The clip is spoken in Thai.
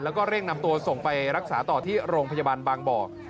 แล้วก็เร่งนำตัวส่งไปรักษาต่อที่โรงพยาบาลบางบ่อ